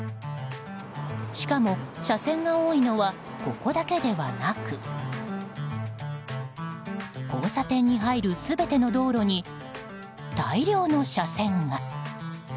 しかも、車線が多いのはここだけではなく交差点に入る全ての道路に大量の車線が。